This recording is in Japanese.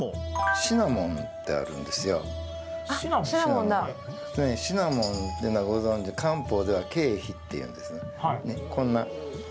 シナモンってみんなご存じ漢方では桂皮っていうんですね。